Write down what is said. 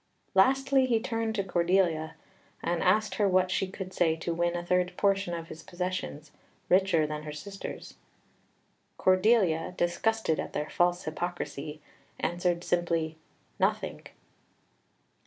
Lastly he turned to Cordelia, and asked her what she could say to win a third portion of his possessions, richer than her sisters'. Cordelia, disgusted at their false hypocrisy, answered simply: "Nothing."